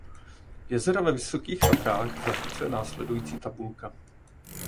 Jezera ve Vysokých Tatrách zachycuje následující tabulka.